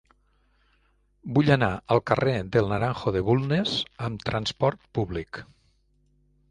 Vull anar al carrer del Naranjo de Bulnes amb trasport públic.